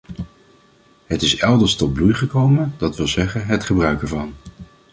Het is elders tot bloei gekomen, dat wil zeggen het gebruik ervan.